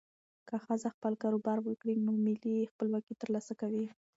که ښځه خپل کاروبار وکړي، نو مالي خپلواکي ترلاسه کوي.